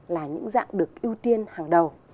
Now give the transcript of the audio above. là những dạng được ưu tiên hàng đầu